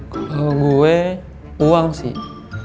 kalau gue uang sih